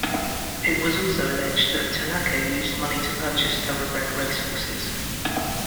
It was also alleged that Tanaka used money to purchase thoroughbred race horses.